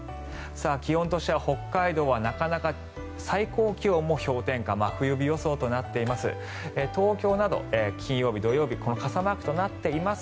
気温としては北海道は最高気温も氷点下真冬日予想となっています。